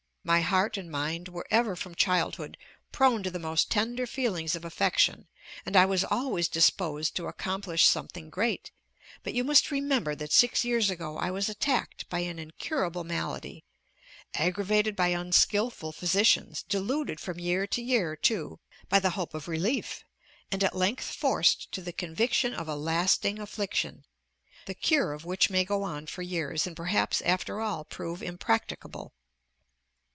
My heart and mind were ever from childhood prone to the most tender feelings of affection, and I was always disposed to accomplish something great. But you must remember that six years ago I was attacked by an incurable malady, aggravated by unskillful physicians, deluded from year to year, too, by the hope of relief, and at length forced to the conviction of a lasting affliction (the cure of which may go on for years, and perhaps after all prove impracticable).